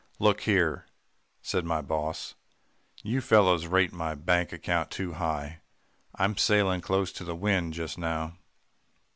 "'Look here,' said my boss, 'you fellows rate my bank account too high. I'm sailing close to the wind just now.